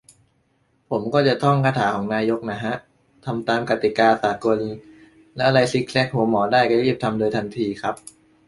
ผมก็จะท่องคาถาของนายกน่ะฮะ "ทำตามกติกาสากล" แล้วอะไรซิกแซกหัวหมอได้ ก็จะรีบทำโดยทันทีครับ